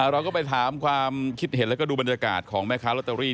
เราก็ไปถามความคิดเห็นแล้วก็ดูบรรยากาศของแม่ค้าลอตเตอรี่